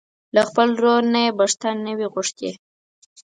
له خپل ورور نه يې بښته نه وي غوښتې.